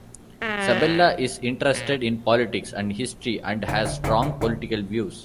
Sabella is interested in politics and history and has strong political views.